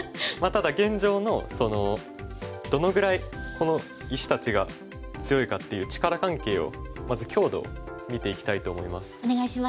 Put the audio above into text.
ただ現状のどのぐらいこの石たちが強いかっていう力関係をまず強度を見ていきたいと思います。